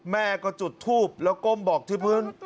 แม่ก็จุดทูบแล้วก้มบอกที่พื้น